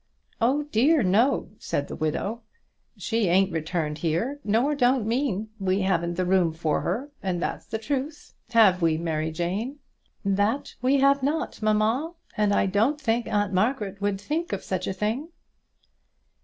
"Oh dear, no," said the widow, "she ain't returned here, nor don't mean. We haven't the room for her, and that's the truth. Have we, Mary Jane?" "That we have not, mamma; and I don't think aunt Margaret would think of such a thing."